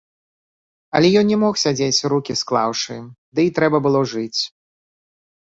Але ён не мог сядзець рукі склаўшы, ды і трэба было жыць.